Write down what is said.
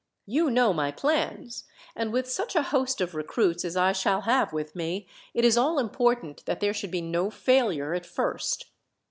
You know my plans, and with such a host of recruits as I shall have with me, it is all important that there should be no failure at first.